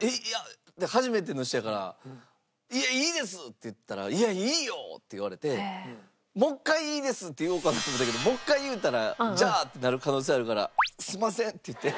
えっいや初めての人やから「いやいいです」って言ったら「いやいいよ」って言われてもう１回「いいです」って言おうかなと思ったけどもう１回言うたら「じゃあ」ってなる可能性あるから「すみません」って言って。